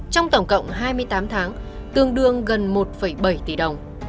trong tổng cộng hai mươi tám tháng tương đương gần một bảy tỷ đồng